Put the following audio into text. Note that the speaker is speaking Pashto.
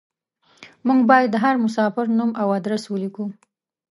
موږ بايد د هر مساپر نوم او ادرس وليکو.